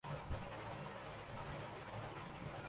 پھر کیا ہوتا ہے۔